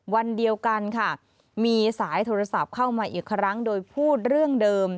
วันเดียวกันค่ะมีสายโทรศัพท์เข้ามาอีกครั้งโดยพูดเรื่องเดิม